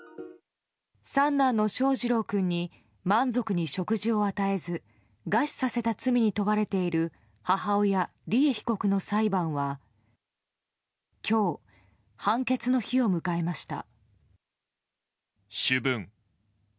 三男の翔士郎君に満足に食事を与えず餓死させた罪に問われている母親・利恵被告の裁判は今日、判決の日を迎えました。